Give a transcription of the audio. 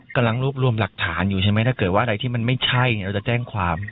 กำลังรวบรวมหลักฐานอยู่ใช่ไหมถ้าเกิดว่าอะไรที่มันไม่ใช่เราจะแจ้งความ